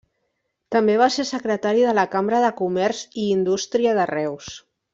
També va ser secretari de la Cambra de Comerç i Indústria de Reus.